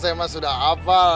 saya emang sudah hafal